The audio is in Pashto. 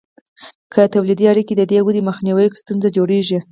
که تولیدي اړیکې د دې ودې مخنیوی وکړي، ستونزه جوړیږي.